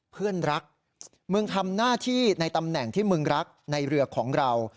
เพื่อนรักมึงทำหน้าที่ในตำแหน่งที่มึงรักในเรือของเรา